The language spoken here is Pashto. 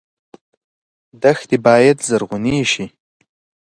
دښتې باید زرغونې شي.